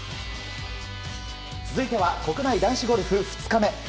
続いては国内男子ゴルフ２日目。